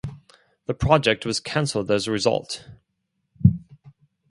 The project was canceled as a result.